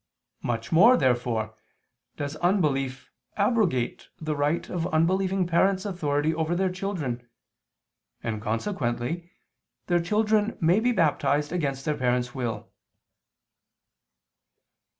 Much more, therefore, does unbelief abrogate the right of unbelieving parents' authority over their children: and consequently their children may be baptized against their parents' will.